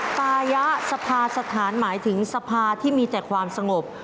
ปายะสภาสถานหมายถึงสภาที่มีแต่ความสงบ